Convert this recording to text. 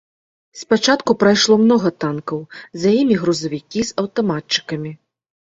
Спачатку прайшло многа танкаў, за імі грузавікі з аўтаматчыкамі.